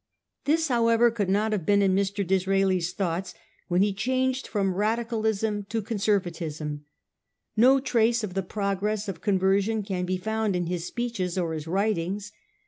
This, however, could not have been in Mr. Dis raeli's thoughts when he changed from Radicalism to 182G— 37. PICTURESQUE POLITICS. S87 Conservatism. No trace of the progress of conver sion can be found in his speeches or his writings.